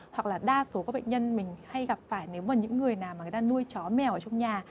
hoặc là đa số bệnh nhân mình hay gặp phải nếu mà những người nào đang nuôi chó mèo ở trong nhà